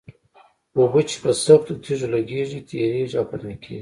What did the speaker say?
اوبه چې په سختو تېږو لګېږي تېرېږي او فنا کېږي.